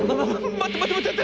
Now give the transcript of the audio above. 『ま待って待って。